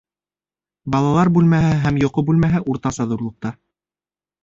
Балалар бүлмәһе һәм йоҡо бүлмәһе уртаса ҙурлыҡта